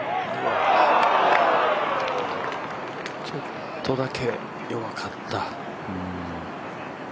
ちょっとだけ弱かった。